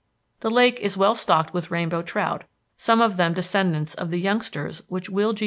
The lake is well stocked with rainbow trout, some of them descendants of the youngsters which Will G.